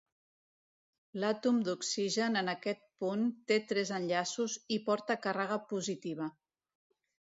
L'àtom d'oxigen en aquest punt té tres enllaços i porta càrrega positiva.